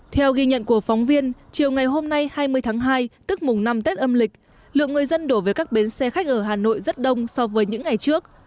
theo ghi nhận của phóng viên chiều ngày hôm nay hai mươi tháng hai tức mùng năm tết âm lịch lượng người dân đổ về các bến xe khách ở hà nội rất đông so với những ngày trước